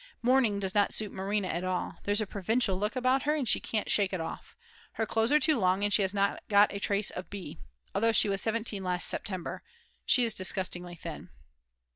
Mourning does not suit Marina at all; there's a provincial look about her and she can't shake it off. Her clothes are too long and she has not got a trace of b , although she was 17 last September; she is disgustingly thin.